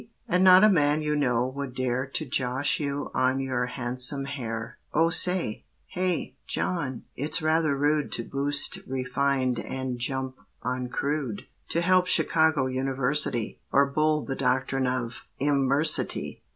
And not a man you know would dare To josh you on your handsome hair, Or say, "Hey, John, it's rather rude To boost refined and jump on crude, To help Chicago University, Or bull the doctrine of immersity."